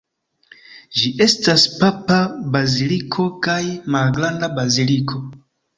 Ĝi estas papa baziliko kaj malgranda baziliko.